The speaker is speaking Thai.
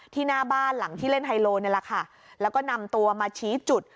หน้าบ้านหลังที่เล่นไฮโลนี่แหละค่ะแล้วก็นำตัวมาชี้จุด